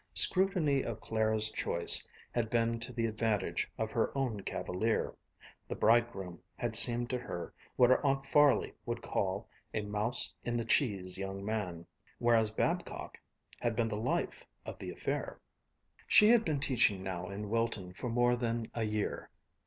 Scrutiny of Clara's choice had been to the advantage of her own cavalier. The bridegroom had seemed to her what her Aunt Farley would call a mouse in the cheese young man. Whereas Babcock had been the life of the affair. She had been teaching now in Wilton for more than a year.